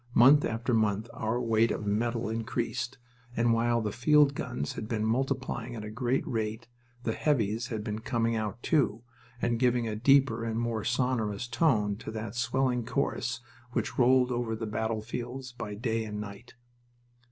Month after month our weight of metal increased, and while the field guns had been multiplying at a great rate the "heavies" had been coming out, too, and giving a deeper and more sonorous tone to that swelling chorus which rolled over the battlefields by day and night.